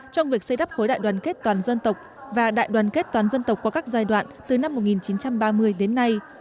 trong việc xây đắp khối đại đoàn kết toàn dân tộc và đại đoàn kết toàn dân tộc qua các giai đoạn từ năm một nghìn chín trăm ba mươi đến nay